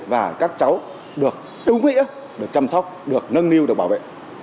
và các cháu được đúng ý được chăm sóc được nâng niu được bảo vệ